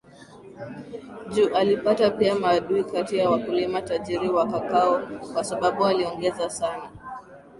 juu Alipata pia maadui kati ya wakulima tajiri wa kakao kwa sababu aliongeza sana